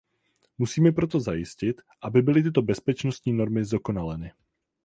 Musíme proto zajistit, aby byly tyto bezpečnostní normy zdokonaleny.